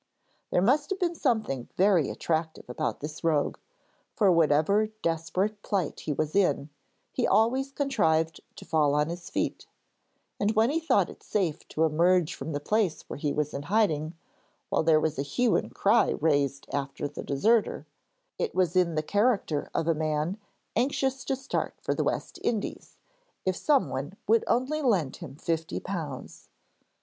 There must have been something very attractive about this rogue, for whatever desperate plight he was in he always contrived to fall on his feet; and when he thought it safe to emerge from the place where he was in hiding while there was a hue and cry raised after the deserter, it was in the character of a man anxious to start for the West Indies if someone would only lend him fifty pounds!